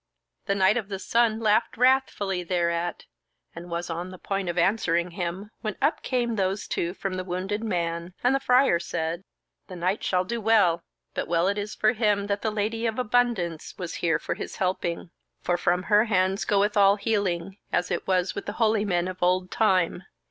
The Knight of the Sun laughed wrathfully thereat, and was on the point of answering him, when up came those two from the wounded man, and the Friar said: "The knight shall do well; but well it is for him that the Lady of Abundance was here for his helping; for from her hands goeth all healing, as it was with the holy men of old time.